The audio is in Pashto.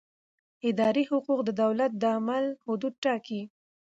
اداري حقوق د دولت د عمل حدود ټاکي.